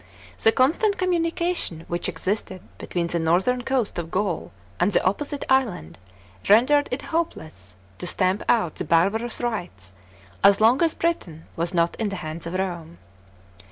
The constant communication which existed between the northern coast of Gaul and the opposite island rendered it hopeless to stamp out the barbarous rites as long as Britain was not in the hands of Rome.